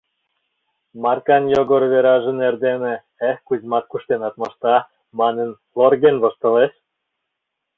Маркан Йогор Вераже нер дене «Эк, Кузьмат, куштенат мошта», манын, лорген воштылеш...